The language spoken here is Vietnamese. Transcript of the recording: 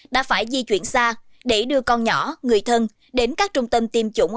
đã phải di chuyển xa để đưa con nhỏ người thân đến các trung tâm tiêm chủng